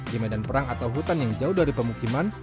di medan perang atau hutan yang jauh dari pemukiman